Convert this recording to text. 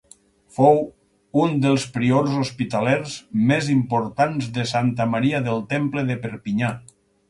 Fou un dels priors hospitalers més importants de Santa Maria del Temple de Perpinyà.